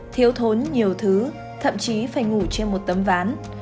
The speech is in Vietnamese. thiếu thốn nhiều thứ thậm chí phải ngủ trên một tấm ván